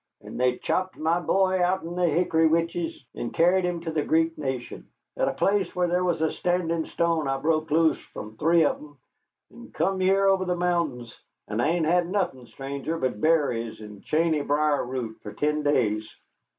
And they chopped my boy outen the hickory withes and carried him to the Creek Nation. At a place where there was a standin' stone I broke loose from three of 'em and come here over the mountains, and I ain't had nothin', stranger, but berries and chainey brier root for ten days.